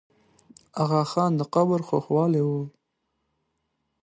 آغا خان دا قبر ښوولی وو.